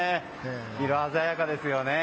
色鮮やかですよね。